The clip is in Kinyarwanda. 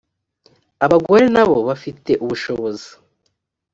abagore nabo bafite ubushobozi